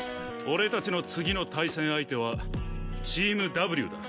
俺たちの次の対戦相手はチームＷだ。